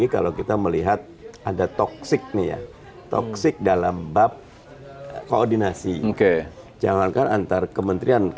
kalau ada yang tiga atau empat kan enak